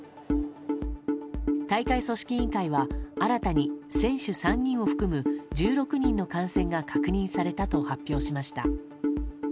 大会組織委員会は新たに選手３人を含む１６人の感染が確認されたと発表しました。